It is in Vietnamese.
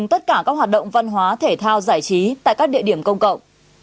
tất cả các hoạt động văn hóa thể thao giải trí tại các địa điểm công cộng